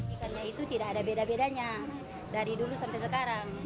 ikannya itu tidak ada beda bedanya dari dulu sampai sekarang